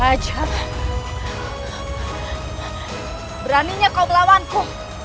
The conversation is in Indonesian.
tidak akan ku biar siapapun untuk melukai bundaku